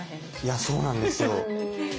いやそうなんですよ。